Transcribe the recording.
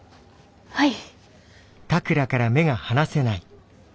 はい。